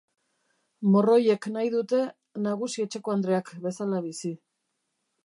Morroiek nahi dute nagusi-etxekoandreak bezala bizi.